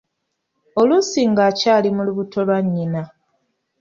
Oluusi ng’akyali mu lubuto lwa nnyina.